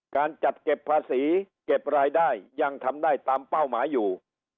การจัดเก็บภาษีเก็บรายได้ยังทำได้ตามเป้าหมายอยู่